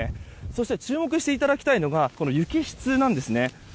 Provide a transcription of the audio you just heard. そして注目していただきたいのが雪質なんですね。